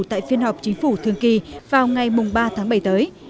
tại phiên họp chính phủ thường kỳ vào ngày ba tháng bảy tới